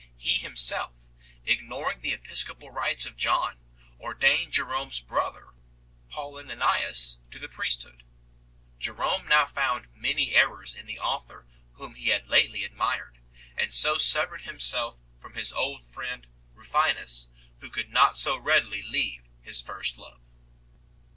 He himself, ignoring the episcopal rights of John, ordained Jerome s brother, Pauli nianus, to the priesthood. Jerome now found many errors in the author whom he had lately admired, and so severed himself from his old friend Rufinus, who could not so readily leave his first love.